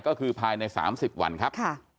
ก็คือภายใน๓๐วันครับ